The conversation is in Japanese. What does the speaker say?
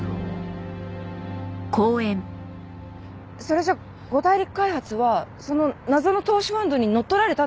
それじゃあ五大陸開発はその謎の投資ファンドに乗っ取られたって事ですか？